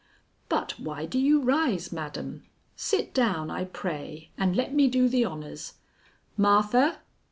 But why do you rise, madam? Sit down, I pray, and let me do the honors. Martha!